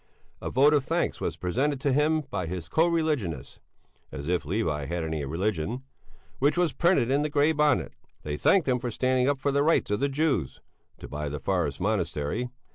A vote of thanks was presented to him by his co religionists (as if Levi had any religion) which was printed in the Grey Bonnet. They thanked him for standing up for the rights of the Jews (to buy the forest monastery).